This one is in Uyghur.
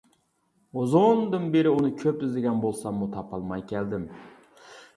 ئۇزۇندىن بېرى ئۇنى كۆپ ئىزدىگەن بولساممۇ تاپالماي كەلدىم.